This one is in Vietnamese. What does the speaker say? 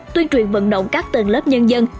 tuyên truyền vận động các tầng lớp nhân dân